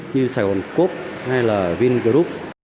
như sài gòn cốp hay là vingroup